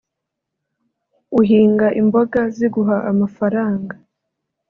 uhinga imboga ziguha amafaranga »